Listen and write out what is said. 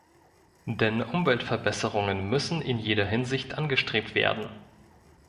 Denn Umweltverbesserungen müssen in jeder Hinsicht angestrebt werden.